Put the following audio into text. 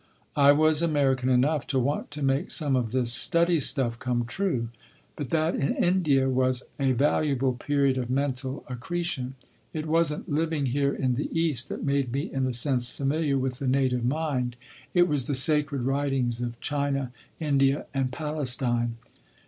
I was American enough to want to make some of this study stuff come true, but that in India was a valuable period of mental accretion. It wasn’t living here in the East that made me in a sense familiar with the native mind—it was the sacred writings of China, India and Palestine.